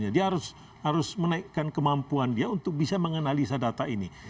dia harus menaikkan kemampuan dia untuk bisa menganalisa data ini